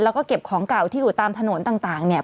แล้วก็เก็บของเก่าที่อยู่ตามถนนต่างเนี่ย